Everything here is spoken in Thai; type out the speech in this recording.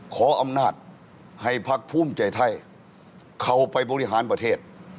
ขออำนาจให้พักภูมิใจไทยเข้าไปบริหารประเทศ